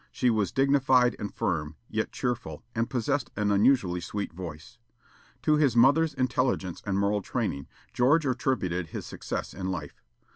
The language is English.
She was dignified and firm, yet cheerful, and possessed an unusually sweet voice. To his mother's intelligence and moral training George attributed his success in life.